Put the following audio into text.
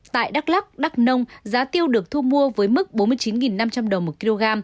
tại đắk lắc đắk nông giá tiêu được thu mua với mức bốn mươi chín năm trăm linh đồng một kg